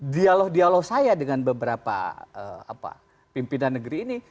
dialog dialog saya dengan beberapa pimpinan negeri ini